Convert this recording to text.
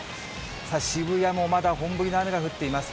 さあ、渋谷もまだ本降りの雨が降っています。